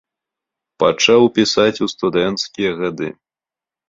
Пачаў пісаць у студэнцкія гады.